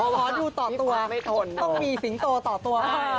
ขอดูต่อตัวต้องมีสิงโตต่อตัว